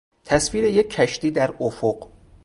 تصویر یک کشتی در افق